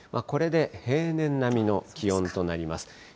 これで平年並みの気温となります。